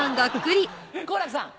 好楽さん。